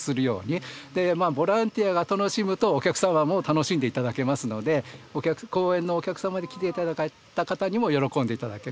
でまあボランティアが楽しむとお客様も楽しんでいただけますので公園のお客様に来ていただいた方にも喜んでいただける。